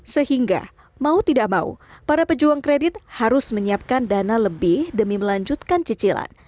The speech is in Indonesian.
sehingga mau tidak mau para pejuang kredit harus menyiapkan dana lebih demi melanjutkan cicilan